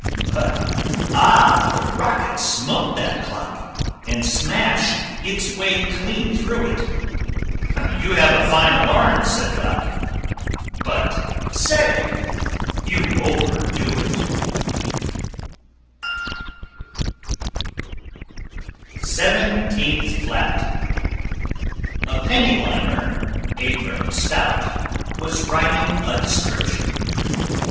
But, ah! the rocket smote that clock And smashed its way clean through it! "You have a fine alarm," said Doc, "But, say, you overdo it!" [Illustration: SIXTEENTH FLAT] SEVENTEENTH FLAT A penny liner, Abram Stout, Was writing a description.